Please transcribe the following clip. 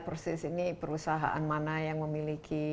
persis ini perusahaan mana yang memiliki